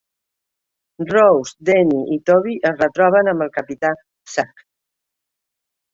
Rose, Danny i Toby es retroben amb el Capità Zach.